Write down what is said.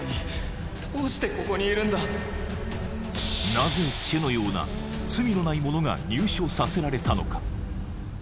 なぜチェのような罪のない者が入所させられたのか？